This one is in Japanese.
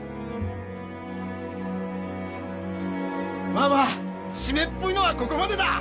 まあまあ湿っぽいのはここまでだ！